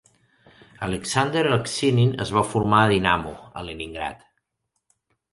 Aleksandr Aksinin es va formar a Dinamo, a Leningrad.